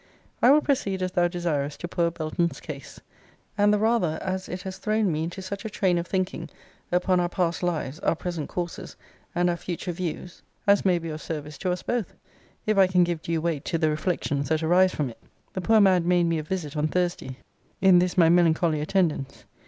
I will proceed, as thou desirest, to poor Belton's case; and the rather, as it has thrown me into such a train of thinking upon our past lives, our present courses, and our future views, as may be of service to us both, if I can give due weight to the reflections that arise from it. The poor man made me a visit on Thursday, in this my melancholy attendance.